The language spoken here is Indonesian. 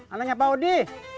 anaknya pak odi